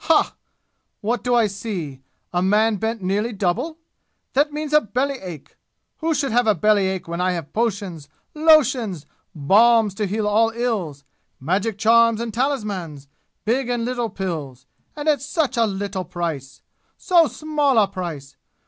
Hah! What do I see? A man bent nearly double? That means a belly ache! Who should have a belly ache when I have potions, lotions, balms to heal all ills, magic charms and talismans, big and little pills and at such a little price! So small a price!